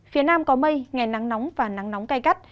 phía nam có mây ngày nắng nóng và nắng nóng cay cắt